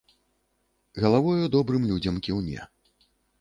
Галавою добрым людзям кіўне.